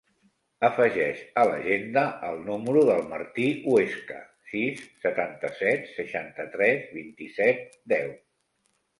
Afegeix a l'agenda el número del Martí Huesca: sis, setanta-set, seixanta-tres, vint-i-set, deu.